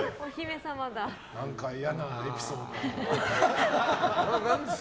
何か嫌なエピソード。